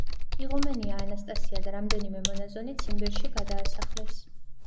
იღუმენია ანასტასია და რამდენიმე მონაზონი ციმბირში გადაასახლეს.